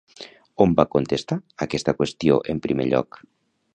On va contestar aquesta qüestió en primer lloc?